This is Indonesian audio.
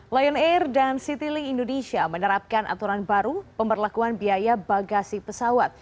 lion air dan citylink indonesia menerapkan aturan baru pemberlakuan biaya bagasi pesawat